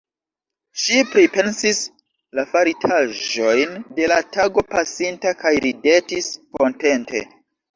Ŝi pripensis la faritaĵojn de la tago pasinta kaj ridetis kontente.